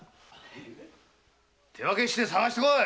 手分けして捜してこい！